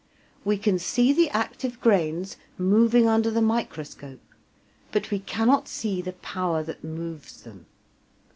We can see the active grains moving under the microscope, but we cannot see the power that moves them.